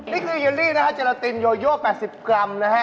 นี่คือเยลลี่นะคะเจราตินโยโย่๘๐กรัมนะครับ